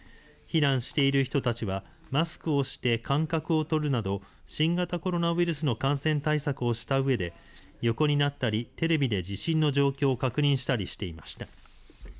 避難している人たちはマスクをして間隔をとるなど新型コロナウイルスの感染対策をしたうえで横になったりテレビで地震の状況を確認したりしていました。